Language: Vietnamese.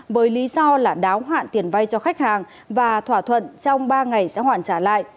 với lý do là đáo hạn tiền vay cho khách hàng và thỏa thuận trong ba ngày sẽ hoàn trả lại